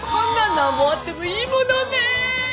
なんぼあってもいいものね！